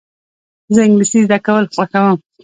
زه انګلېسي زده کول خوښوم.